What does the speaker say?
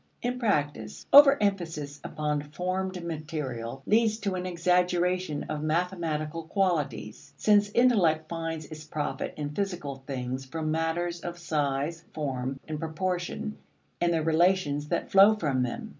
In practice, overemphasis upon formed material leads to an exaggeration of mathematical qualities, since intellect finds its profit in physical things from matters of size, form, and proportion and the relations that flow from them.